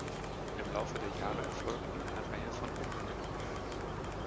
Im Laufe der Jahre erfolgten eine Reihe von Umbenennungen.